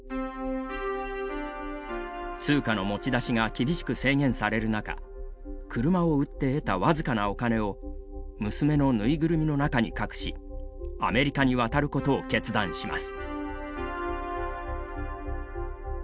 通貨の持ち出しが厳しく制限される中車を売って得た僅かなお金を娘の縫いぐるみの中に隠しアメリカに渡ることを決断します。